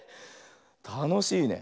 たのしいね。